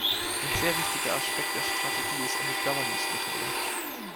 Ein sehr wichtiger Aspekt der Strategie ist die Governance-Methode.